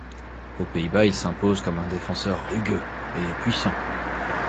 Aux Pays-Bas il s'impose comme un défenseur rugueux et puissant.